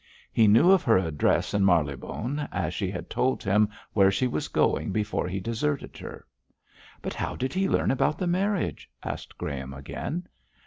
He knew of her address in Marylebone, as she had told him where she was going before he deserted her.' 'But how did he learn about the marriage?' asked Graham, again.